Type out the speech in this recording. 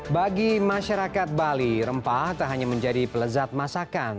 bagi masyarakat bali rempah tak hanya menjadi pelezat masakan